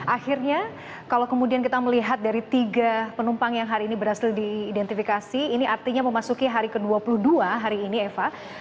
akhirnya kalau kemudian kita melihat dari tiga penumpang yang hari ini berhasil diidentifikasi ini artinya memasuki hari ke dua puluh dua hari ini eva